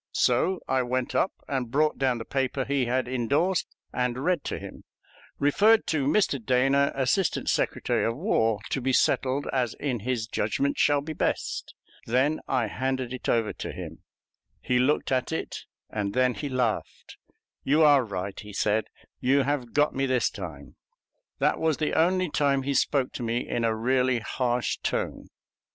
So I went up and brought down the paper he had indorsed, and read to him: "Referred to Mr. Dana, Assistant Secretary of War, to be settled as in his judgment shall be best." Then I handed it over to him. He looked at it, and then he laughed. "You are right," he said; "you have got me this time." That was the only time he spoke to me in a really harsh tone.